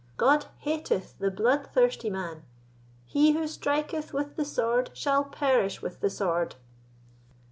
God hateth the bloodthirsty man; he who striketh with the sword shall perish with the sword."